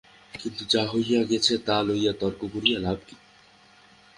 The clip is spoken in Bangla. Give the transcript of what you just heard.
কিন্তু যা হইয়া গেছে তা লইয়া তর্ক করিয়া লাভ কী?